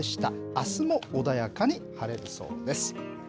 あすも穏やかに晴れるそうです。